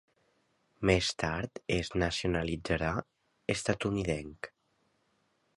Més tard es nacionalitzà estatunidenc.